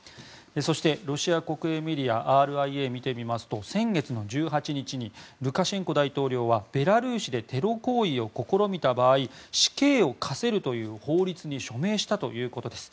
そして、ロシア国営メディアＲＩＡを見てみますと先月の１８日にルカシェンコ大統領はベラルーシでテロ行為を試みた場合死刑を科せるという法律に署名したということです。